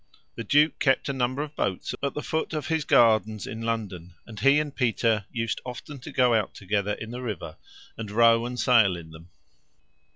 The duke kept a number of boats at the foot of his gardens in London, and he and Peter used often to go out together in the river, and row and sail in them.